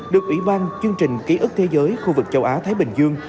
được ủy ban chương trình ký ức thế giới khu vực châu á thái bình dương